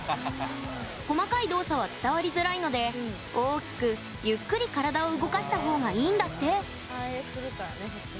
細かい動作は伝わりづらいので大きくゆっくり体を動かしたほうがいいんだって。